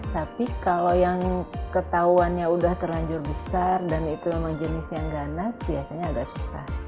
tapi kalau yang ketahuannya udah terlanjur besar dan itu memang jenisnya ganas biasanya agak susah